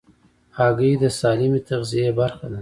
هګۍ د سالمې تغذیې برخه ده.